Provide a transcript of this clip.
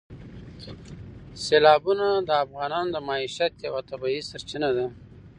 سیلابونه د افغانانو د معیشت یوه طبیعي سرچینه ده.